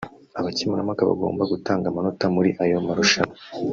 Abakemurampaka bagombaga gutanga amanota muri ayo marushanwa